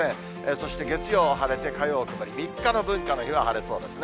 そして月曜晴れて、火曜曇り、３日の文化の日は晴れそうですね。